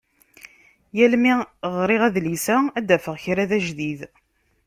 Yal mi ɣriɣ adlis-a, ad d-afeɣ kra d ajdid.